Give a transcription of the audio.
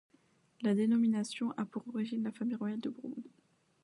La dénomination a pour origine la famille royale de Bourbon.